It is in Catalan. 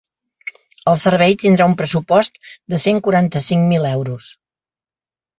El servei tindrà un pressupost de cent quaranta-cinc mil euros.